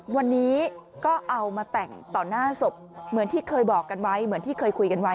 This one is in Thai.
วันนี้ก็เอามาแต่งต่อหน้าศพเหมือนที่เคยบอกกันไว้เหมือนที่เคยคุยกันไว้